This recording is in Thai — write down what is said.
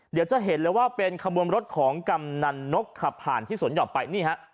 เดี๋ยวจะเห็นเลยว่าเป็นขบวนรถของกำนันนกขับผ่านที่สวนหย่อมไปนี่ฮะ